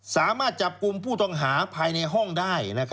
สามารถจับกลุ่มผู้ต้องหาภายในห้องได้